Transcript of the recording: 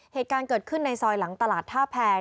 เหตุการณ์เกิดขึ้นในซอยหลังตลาดท่าแพง